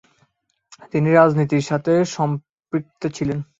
তিনি রাজনীতির সাথে সম্পৃক্ত ছিলেন।